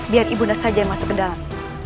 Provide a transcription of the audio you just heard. biar ibunda saja yang masuk ke dalam